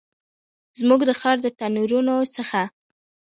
زموږ د ښار د تنورونو څخه